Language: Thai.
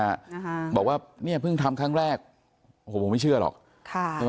นะคะบอกว่าเนี่ยเพิ่งทำครั้งแรกโอ้โหผมไม่เชื่อหรอกค่ะใช่ไหม